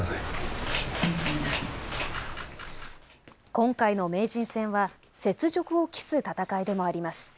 今回の名人戦は雪辱を期す戦いでもあります。